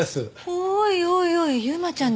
おいおいおい由真ちゃん